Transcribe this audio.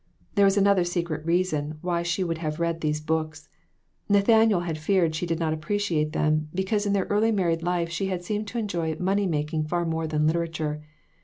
There was another secret reason why she would have read those books. Nathaniel had feared she did not appreciate them, because in their early married life she had seemed to enjoy money mak ing far more than literature.